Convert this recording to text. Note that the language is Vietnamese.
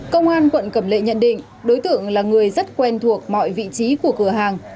công an quận cẩm lệ nhận định đối tượng là người rất quen thuộc mọi vị trí của cửa hàng